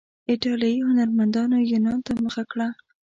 ایټالیایي هنرمندانو یونان ته مخه وکړه.